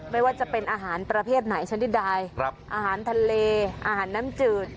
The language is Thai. ไม่ว่าจะเป็นอาหารประเภทไหนชนิดใดอาหารทะเลอาหารน้ำจืด